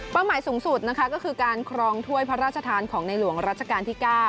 หมายสูงสุดนะคะก็คือการครองถ้วยพระราชทานของในหลวงรัชกาลที่๙